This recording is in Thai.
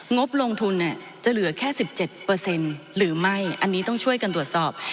งบลงทุนจะเหลือแค่๑๗หรือไม่อันนี้ต้องช่วยกันตรวจสอบ